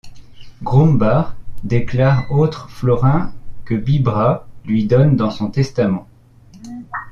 Grumbach réclame autres florins que Bibra lui donne dans son testament.